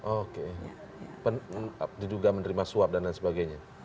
oke diduga menerima suap dan lain sebagainya